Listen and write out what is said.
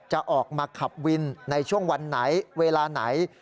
จะออกมาขับวินในช่วงวันไหนเวลาไหน